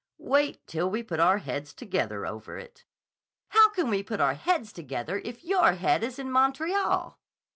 "Wait till we put our heads together over it." "How can we put our heads together if your head is in Montreal?"